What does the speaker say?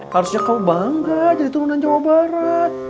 harusnya kamu bangga jadi keturunan jawa barat